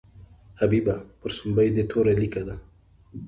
حبیبه پر سومبۍ دې توره لیکه ده.